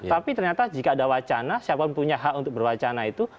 tapi ternyata jika ada wacana siapapun punya hak untuk berwacana itu